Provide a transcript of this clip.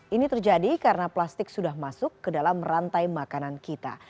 ini terjadi karena plastik sudah masuk ke dalam rantai makanan kita